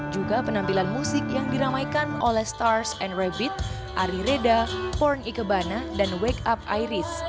juga penampilan musik yang diramaikan oleh stars and rabbit ari reda porn ikebana dan wake up iris